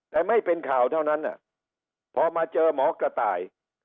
แต่ไม่เป็นข่าวเท่านั้นพอมาเจอหมอกระต่าย